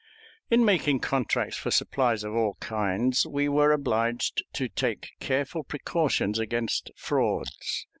In making contracts for supplies of all kinds, we were obliged to take careful precautions against frauds.